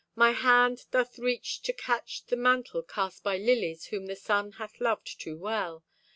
My hand doth reach To catch the mantle cast by lilies whom the sun Hath loved too well.